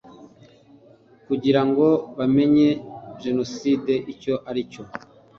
kugira ngo bamenye jenoside icyo ari cyo